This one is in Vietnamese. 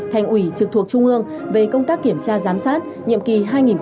thành ủy trực thuộc trung ương về công tác kiểm tra giám sát nhiệm kỳ hai nghìn một mươi năm hai nghìn hai mươi